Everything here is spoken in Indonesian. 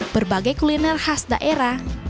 berbagai kuliner khas daerah